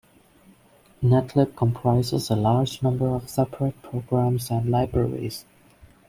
Netlib comprises a large number of separate programs and libraries.